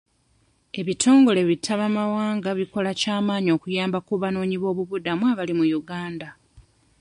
Ebitongole bi ttabamawanga bikola ky'amaanyi okuyamba ku banoonyi b'obubudamu abali mu Uganda.